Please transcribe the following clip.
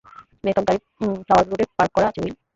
Backup গাড়ি flower রোডে park করা আছে, উইল।